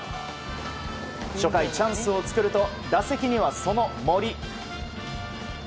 初回、チャンスを作ると打席には、その森。